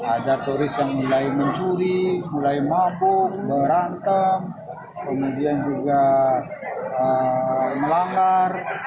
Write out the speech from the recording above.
ada turis yang mulai mencuri mulai mabuk berantem kemudian juga melanggar